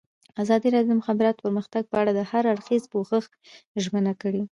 ازادي راډیو د د مخابراتو پرمختګ په اړه د هر اړخیز پوښښ ژمنه کړې.